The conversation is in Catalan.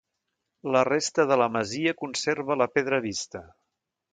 La resta de la masia conserva la pedra vista.